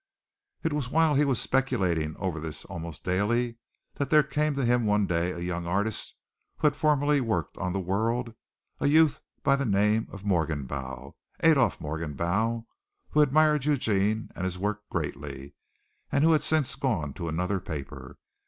It was while he was speculating over this almost daily that there came to him one day a young artist who had formerly worked on the World a youth by the name of Morgenbau Adolph Morgenbau who admired Eugene and his work greatly and who had since gone to another paper.